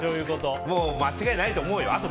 間違いないと思うよ。